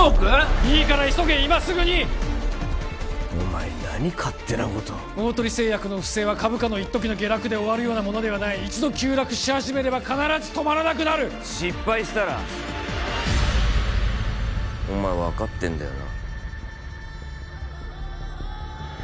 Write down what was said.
いいから急げ今すぐにお前何勝手なことを大鳥製薬の不正は株価の一時の下落で終わるようなものではない一度急落し始めれば必ず止まらなくなる失敗したらお前分かってんだよな？